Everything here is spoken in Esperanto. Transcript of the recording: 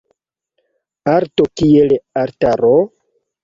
Arto kiel altaro?